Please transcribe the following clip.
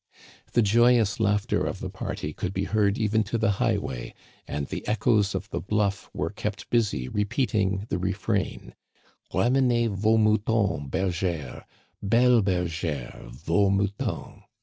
The joyous laughter of the party could be heard even to the highway, and the echoes of the bluff were kept busy repeating the refrain :" Ramenez vos moutons, bergère, Belle bergère, vos moutons."